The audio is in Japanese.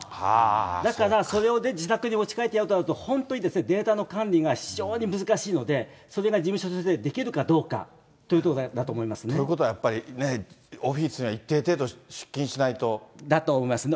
だからそれを自宅に持ち帰ってやるとなると、本当にデータの管理が非常に難しいので、それが事務所としてできるかどうかということだと思いますね。ということはやっぱりね、オフィスには一定程度、出勤しないだと思いますね。